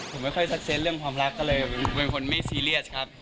ผมไม่ค่อยซักเซตเรื่องความรักก็เลยเป็นคนไม่ซีเรียสครับ